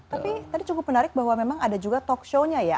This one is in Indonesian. tapi tadi cukup menarik bahwa memang ada juga talk show nya ya